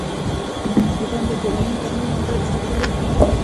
د ډنډ د دیوالونو ترمیم هم باید سرته ورسیږي.